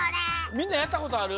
みんなやったことある？